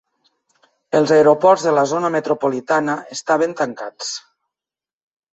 Els aeroports de la zona metropolitana estaven tancats.